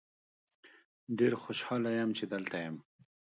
ډیر خوشحال یم چې دلته یم.